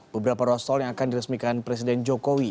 beberapa ruas tol yang akan diresmikan presiden jokowi